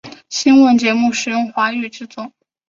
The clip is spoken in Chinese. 新闻节目使用华语制作。